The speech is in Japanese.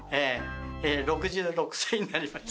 ６６歳になりました。